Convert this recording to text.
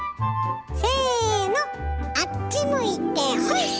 せのあっち向いてホイ！